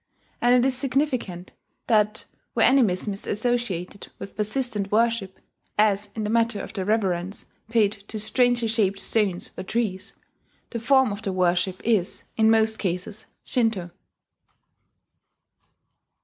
And it is significant that where animism is associated with persistent worship (as in the matter of the reverence paid to strangely shaped stones or trees), the form of the worship is, in most cases, Shinto.